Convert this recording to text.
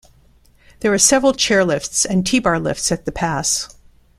There are several chairlifts and T-bar lifts at the pass.